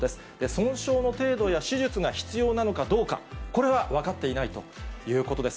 損傷の程度や手術が必要なのかどうか、これは分かっていないということです。